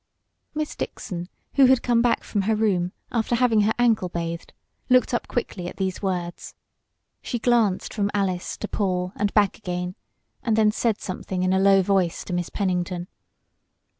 Miss Dixon, who had come back from her room, after having her ankle bathed, looked up quickly at these words. She glanced from Alice to Paul, and back again, and then said something in a low voice to Miss Pennington.